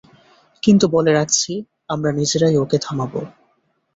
কিন্ত বলে রাখছি, আমরা নিজেরাই ওকে থামাব।